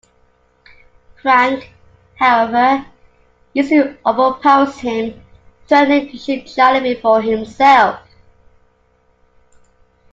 Frank, however, easily overpowers him, threatening to shoot Charlie before himself.